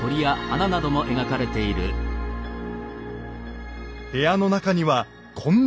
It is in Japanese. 部屋の中にはこんなものも。